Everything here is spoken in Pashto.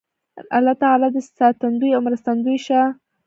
الله تعالی دې ساتندوی او مرستندوی شه